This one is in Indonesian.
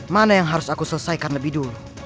mana yang harus aku selesaikan lebih dulu